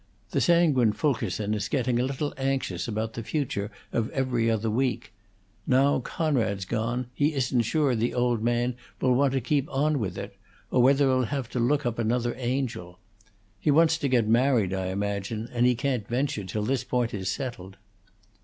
The sanguine Fulkerson is getting a little anxious about the future of 'Every Other Week.' Now Conrad's gone, he isn't sure the old man will want to keep on with it, or whether he'll have to look up another Angel. He wants to get married, I imagine, and he can't venture till this point is settled."